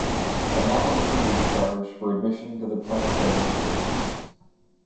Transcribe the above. A nominal fee is charged for admission to the planetarium shows.